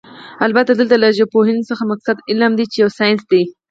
البته دلته له ژبپوهنې څخه مقصد هغه علم دی چې يو ساينس دی